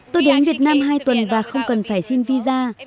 tôi đến việt nam hai tuần và không cần phải xin visa